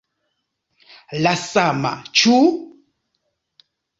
La sama, ĉu?